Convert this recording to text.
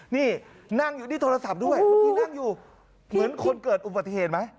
นี่โทรศัพท์ด้วยกูนั่งอยู่เหมือนคนเกิดอุบัติเหตุไหม